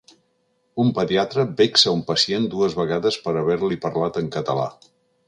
Un pediatra vexa un pacient dues vegades per haver-li parlat en català.